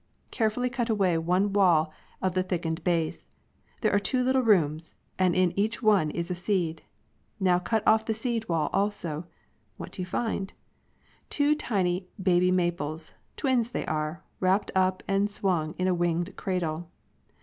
Care fully cut away one wall of the thickened base. There are two little rooms, and in each one is a seed. Now cut of¥ the seed wall also. *■ kevsopBkd m^lb. What do you find } Two tiny baby maples, twins they are, all wrapped up and swung in a winged cradle!